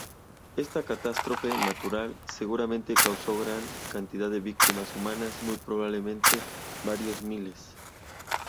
Esta catástrofe natural seguramente causó gran cantidad de víctimas humanas, muy probablemente varios miles.